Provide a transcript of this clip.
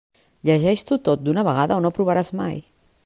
Llegeix-t'ho tot d'una vegada o no aprovaràs mai!